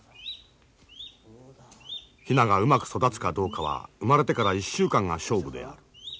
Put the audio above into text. ヒナがうまく育つかどうかは生まれてから１週間が勝負である。